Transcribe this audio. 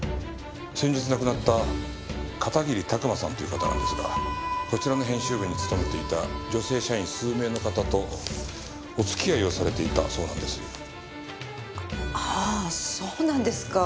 先日亡くなった片桐拓馬さんという方なんですがこちらの編集部に勤めていた女性社員数名の方とお付き合いをされていたそうなんです。